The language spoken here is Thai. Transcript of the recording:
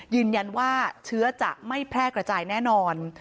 ยืนยันว่าเชื้อจะไม่แพร่กระจายแน่นอน